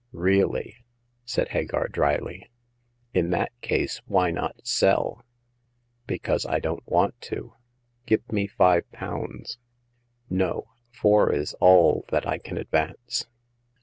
" Really ?" said Hagar, dryly. In that case, why not sell ?"Because I don't want to. Give me five pounds." No ; four is all that I can advance."